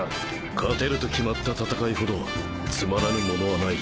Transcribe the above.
勝てると決まった戦いほどつまらぬものはない。